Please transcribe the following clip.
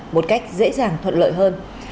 một cách dễ dàng thuận lợi hơn